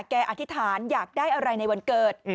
อธิษฐานอยากได้อะไรในวันเกิด